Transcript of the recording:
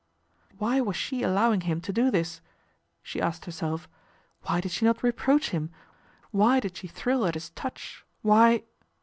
" Why was she allowing him to do this ?" she asked herself. ' Why did she not reproach him, why did she thrill at his touch, why